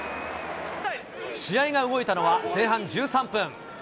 試合が動いたのは前半１３分。